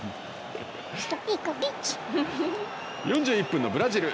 ４１分のブラジル。